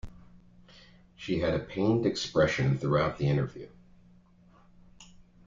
She had a pained expression throughout the interview.